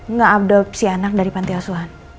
nge adopsi anak dari pantai asuhan